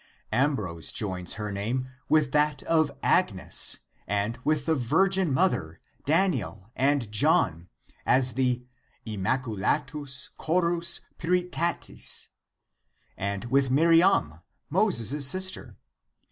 Ambrose joins her name with that of Agnes and with the virgin Mother, Daniel and John as the " Immaculatus chorus puritatis " (De lapsu virginis, c:3, 4),'' and with Miriam, Moses' sister (epist.